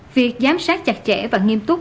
việc giám sát chặt chẽ và nghiêm túc